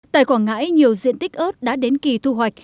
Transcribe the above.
tại quảng ngãi nhiều diện tích ớt đã đến kỳ thu hoạch